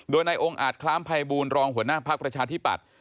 โดยในองค์อาจคล้ามภัยบูรณรองหัวหน้าภักดิ์ประชาธิปัตย์